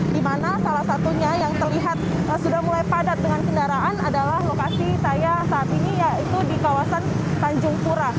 di mana salah satunya yang terlihat sudah mulai padat dengan kendaraan adalah lokasi saya saat ini yaitu di kawasan tanjung pura